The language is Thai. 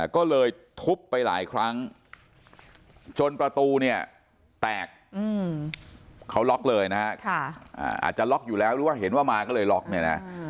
ก็เลยทุบไปหลายครั้งจนประตูเนี่ยแตกเขาล็อกเลยนะฮะอาจจะล็อกอยู่แล้วหรือว่าเห็นว่ามาก็เลยล็อกเนี่ยนะ